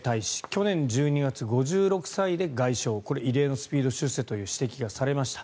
去年１２月、５６歳で外相これ、異例のスピード出世という指摘がされました。